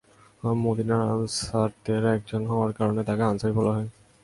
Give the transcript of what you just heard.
মদীনার আনসারদের একজন হওয়ার কারণে তাঁকে আনসারী বলা হয়।